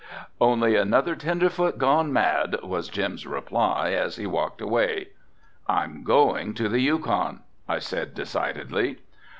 Ha! ha!" "Only another tenderfoot gone mad," was Jim's reply as he walked away. "I'm going to the Yukon," I said decidedly.